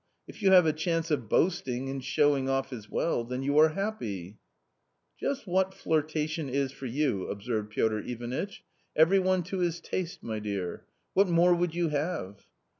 If you have a chance of boasting and showing off as well, then you are happy !" "Just what flirtation is for you," observed Piotr Ivanitch ;" every one to his taste, my dear ! What more would you have?"